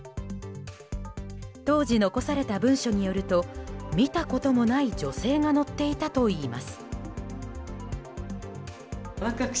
当時残された文書によると見たこともない女性が乗っていたといいます。